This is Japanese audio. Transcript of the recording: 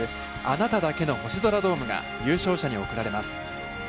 「あなただけの星空ドーム」が優勝者に贈られます。